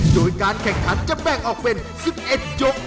โดยการแข่งขันจะแบ่งออกเป็น๑๑ยก